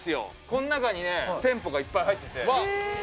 この中にね店舗がいっぱい入ってて。